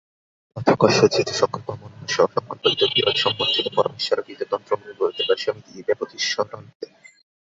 অথ কস্যচিৎ সঙ্কল্পমন্বন্যস্য সঙ্কল্প ইত্যবিরোধ সমর্থ্যেত, পরমেশ্বরাকূততন্ত্রত্বমেবেতরেষামিতি ব্যবতিষ্ঠন্তে।